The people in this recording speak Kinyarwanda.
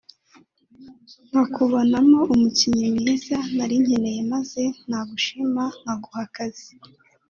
nkakubonamo umukinnyi mwiza nari nkeneye maze nagushima nkaguha akazi